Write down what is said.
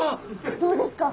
どうですか？